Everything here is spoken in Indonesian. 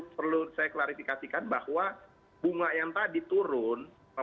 perlu saya klarifikasikan bahwa bunga yang tadi turun